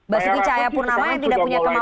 basuki cahayapurnama yang tidak punya kemampuan